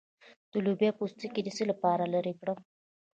د لوبیا پوستکی د څه لپاره لرې کړم؟